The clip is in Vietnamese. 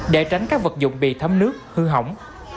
để tránh các vật dụng bị thấm nước hư hỏng